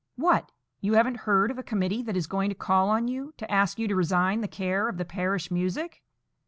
"What! you haven't heard of a committee that is going to call on you, to ask you to resign the care of the parish music?"